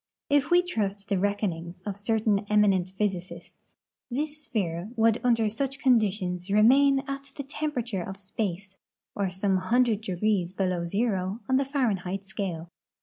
If we trust the reckonings of certain eminent ])h}'sicists, this sphere would under such conditions remain at the tempera ture of space, or some hundred degrees below zero on the Fahren heit scale.